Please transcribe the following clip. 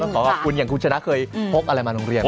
ขอบคุณอย่างคุณชนะเคยพกอะไรมาโรงเรียน